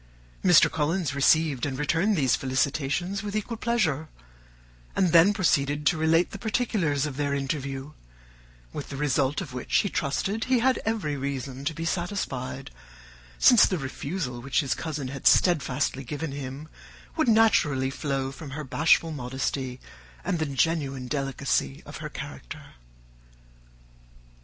Mr. Collins received and returned these felicitations with equal pleasure, and then proceeded to relate the particulars of their interview, with the result of which he trusted he had every reason to be satisfied, since the refusal which his cousin had steadfastly given him would naturally flow from her bashful modesty and the genuine delicacy of her character.